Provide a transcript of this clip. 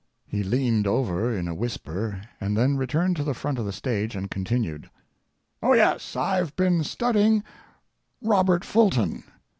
He leaned over in a whisper, and then returned to the front of the stage and continued]. Oh yes! I've been studying Robert Fulton.